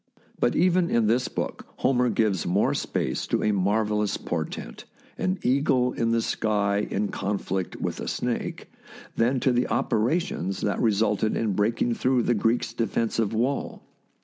But even in this book Homer gives more space to a marvellous portent, an eagle in the sky in con flict with a snake, than to the operations that re sulted in breaking through the Greeks' defensive wall.